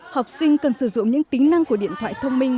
học sinh cần sử dụng những tính năng của điện thoại thông minh